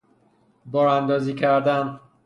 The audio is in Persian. باراندازی کردن